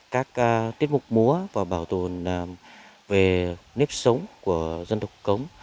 các tiết mục múa và bảo tồn về nếp sống của dân tộc cống